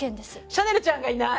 シャネルちゃんがいない！